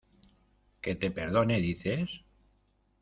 ¿ que te perdone dices?